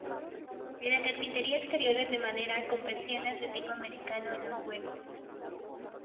La carpintería exterior es de madera, con persianas de tipo americano en los huecos.